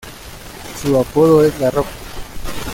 Su apodo es La Roca.